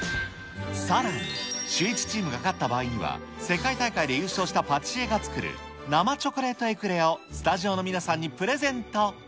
さらに、シューイチチームが勝った場合には、世界大会で優勝したパティシエが作る、生チョコレートエクレアを、スタジオの皆さんにプレゼント。